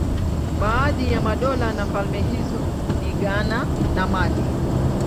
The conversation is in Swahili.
Baadhi ya madola na falme hizo ni Ghana na Mali.